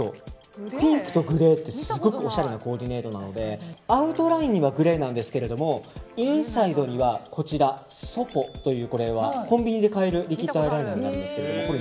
ピンクとグレーってすごくおしゃれなコーディネートなのでアウトラインにはグレーなんですがインサイドにはｓｏｐｏというコンビニで買えるリキッドアイライナーですけど。